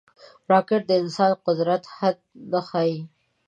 راکټ د انسان د قدرت حد نه ښيي